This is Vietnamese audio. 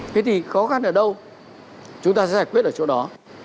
cái gì khó khăn ở đâu chúng ta sẽ giải quyết ở chỗ đó